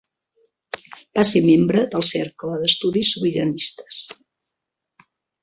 Va ser membre del Cercle d'Estudis Sobiranistes.